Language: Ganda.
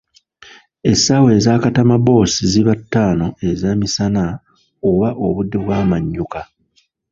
Essaawa eza katamaboosi ziba ttaano ez’emisana oba obudde bw’amannyuka.